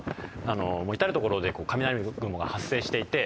至る所で雷雲が発生していて。